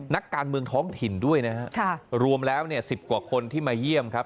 นักการเมืองท้องถิ่นด้วยนะฮะรวมแล้วเนี่ย๑๐กว่าคนที่มาเยี่ยมครับ